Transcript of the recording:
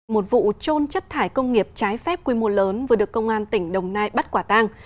một vụ trôn chất thải công nghiệp trái phép quy mô lớn vừa được công an tỉnh đồng nai bắt quả tang